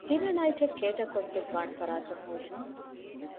ޑިނަރ ނައިޓެއް ކޭޓަރ ކޮށްދެއްވާނޭ ފަރާތެއް ހޯދުމަށް